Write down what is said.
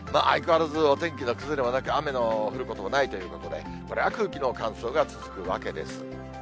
相変わらずお天気の崩れはなく、雨の降ることもないということで、これは空気の乾燥が続くわけです。